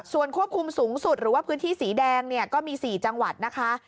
ส่วนควบคุมสูงสุดหรือว่าพื้นที่สีแดงเนี่ยก็มี๔จังหวัดนะคะ